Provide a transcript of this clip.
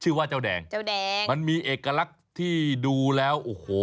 เจ้าแดงเจ้าแดงมันมีเอกลักษณ์ที่ดูแล้วโอ้โห